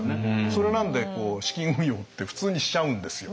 それなんで資金運用って普通にしちゃうんですよ。